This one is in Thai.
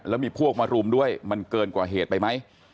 แล้วมีพวกมารุมด้วยมันเกินกว่าเหตุไปไหม